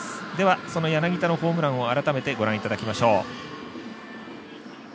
その柳田のホームランを改めてご覧いただきましょう。